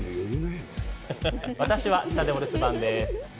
私は下で、お留守番です。